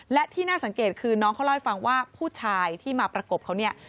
และที่น่าสังเกตคือน้องเขาเล่าให้ฟังว่าผู้ชายที่มาประกบเขาเนี่ย